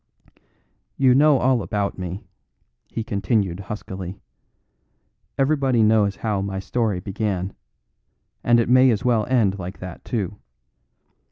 "You all know about me," he continued huskily; "everybody knows how my story began, and it may as well end like that too.